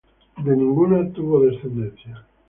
De ninguna tuvo descendencia.